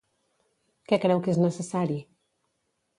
Què creu que és necessari?